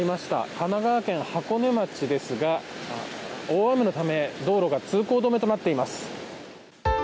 神奈川県箱根町ですが大雨のため道路が通行止めとなっています。